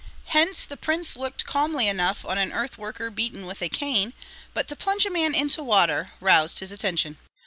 Hence the prince looked calmly enough on an earth worker beaten with a cane; but to plunge a man into water roused his attention.